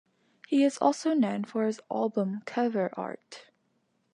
He is also known for his album cover art.